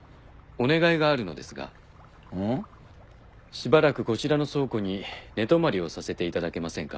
しばらくこちらの倉庫に寝泊まりをさせていただけませんか？